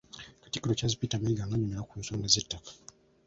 Katikkiro Charles Peter Mayiga nga annyonnyola ku nsonga z'ettaka.